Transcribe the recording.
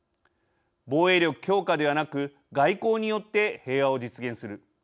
防衛力強化ではなく外交によって平和を実現する。